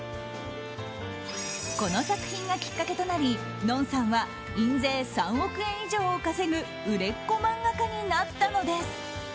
この作品がきっかけとなりＮＯＮさんは印税３億円以上を稼ぐ売れっ子漫画家になったのです。